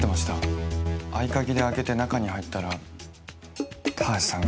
合鍵で開けて中に入ったら田橋さんがあんな事に。